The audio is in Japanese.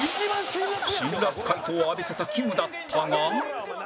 辛辣回答を浴びせたきむだったが